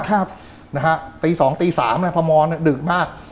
นะฮะตีสองตีสามนะพอมอนดึกมาก